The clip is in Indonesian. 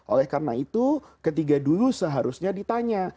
oleh karena itu ketika dulu seharusnya ditanya